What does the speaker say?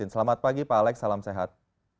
selamat pagi pak alex salam sehat